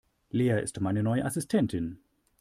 Lea ist meine neue Assistentin.